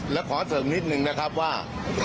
และขอเสริมนิดนึงนะครับว่า